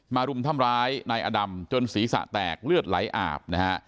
รุมทำร้ายนายอดำจนศีรษะแตกเลือดไหลอาบนะฮะ